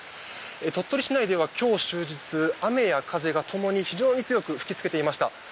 鳥取市内では今日終日雨や風が共に非常に強く吹きつけていました。